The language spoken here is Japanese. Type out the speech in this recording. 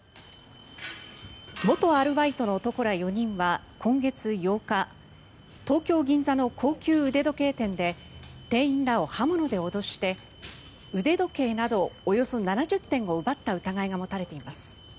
元アルバイトの男ら４人は今月８日東京・銀座の高級腕時計店で店員らを刃物で脅して腕時計などおよそ７０点を奪った疑いが持たれています。